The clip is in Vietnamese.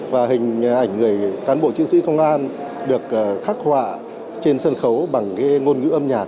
và hình ảnh người cán bộ chiến sĩ công an được khắc họa trên sân khấu bằng cái ngôn ngữ âm nhạc